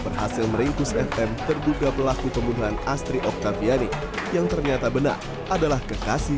berhasil meringkus fm terduga pelaku pembunuhan astri oktaviani yang ternyata benar adalah kekasih